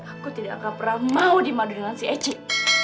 aku tidak akan pernah mau dimadu dengan si ecik